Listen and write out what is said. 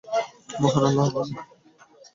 মহান আল্লাহ বলেন।